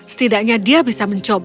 setidaknya dia bisa mencoba